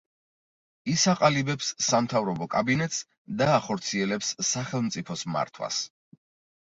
ის აყალიბებს სამთავრობო კაბინეტს და ახორციელებს სახელმწიფოს მართვას.